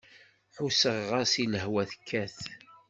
Ḥusseɣ-as i lehwa tekkat.